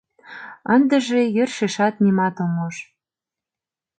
Ындыже йӧршешат нимат ом уж.